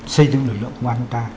xây dựng lực lượng công an chúng ta